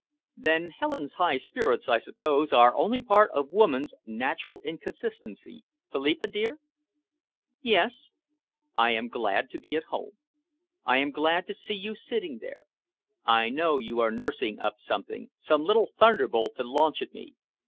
"Then Helen's high spirits, I suppose, are only part of woman's natural inconsistency. Philippa, dear!" "Yes?" "I am glad to be at home. I am glad to see you sitting there. I know you are nursing up something, some little thunderbolt to launch at me.